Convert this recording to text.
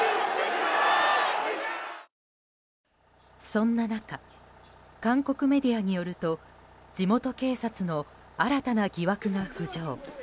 そんな中韓国メディアによると地元警察の新たな疑惑が浮上。